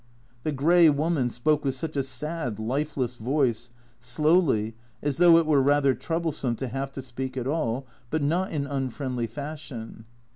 The grey woman spoke with such a sad lifeless voice slowly, as though it were rather troublesome to have to speak at all, but not in unfriendly fashion.